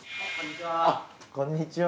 こんにちは。